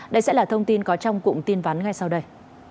đây sẽ là thông tin có trong cụm tin vắn ngay sau đây